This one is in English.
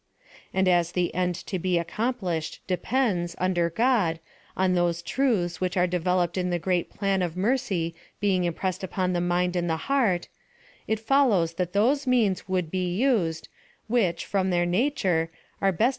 And as the end to be accomplished depends, under God, on those truths which are developed in the great plan of mercy being impressed upon the mind and the heart, it follows that those means would be used, which, from their nature, are best PLAN OF SALVATION..